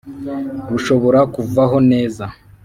rushobora kuvaho neza